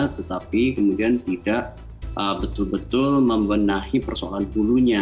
tetapi kemudian tidak betul betul membenahi persoalan hulunya